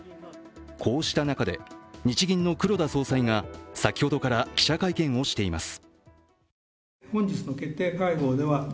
こうした中で、日銀の黒田総裁が先ほどから記者会見をしています。